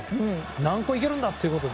何個いけるんだということで。